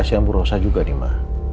kasian bu rosa juga nih ma